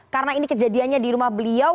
karena ini kejadiannya di rumah beliau